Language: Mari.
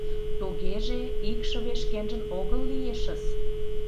— Тугеже, икшыве шкенжын огыл лиешыс.